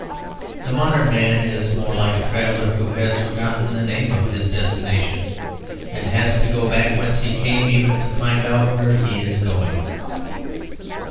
The modern man is more like a traveller who has forgotten the name of his destination, and has to go back whence he came, even to find out where he is going.